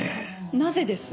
なぜです？